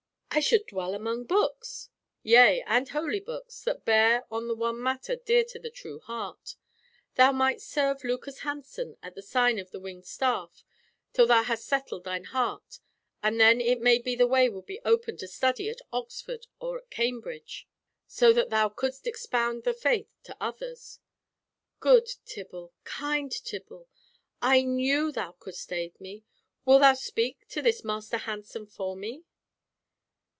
"I should dwell among books!" "Yea, and holy books, that bear on the one matter dear to the true heart. Thou might serve Lucas Hansen at the sign of the Winged Staff till thou hast settled thine heart, and then it may be the way would be opened to study at Oxford or at Cambridge, so that thou couldst expound the faith to others." "Good Tibble, kind Tibble, I knew thou couldst aid me! Wilt thou speak to this Master Hansen for me?"